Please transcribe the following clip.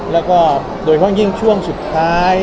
แล้วก็โดยเฉพาะยิ่งช่วงสุดท้าย